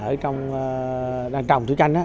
ở trong đang trồng thủy canh